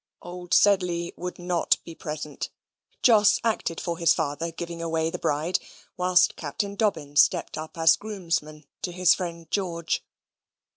Old Sedley would not be present. Jos acted for his father, giving away the bride, whilst Captain Dobbin stepped up as groomsman to his friend George.